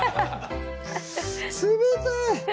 冷たい！